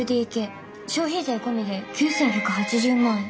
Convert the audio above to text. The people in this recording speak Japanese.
消費税込みで９，１８０万円。